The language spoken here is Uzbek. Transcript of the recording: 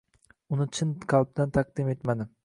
Uni chin qalbdan taqdim etmadim.